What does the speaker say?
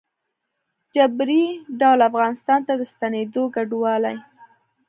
ه جبري ډول افغانستان ته د ستنېدونکو کډوالو